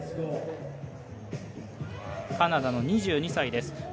カナダの２２歳です。